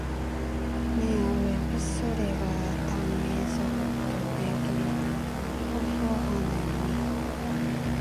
네 아우의 핏소리가 땅에서부터 내게 호소하느니라